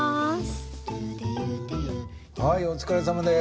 はいお疲れさまです。